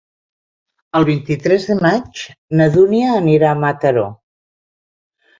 El vint-i-tres de maig na Dúnia anirà a Mataró.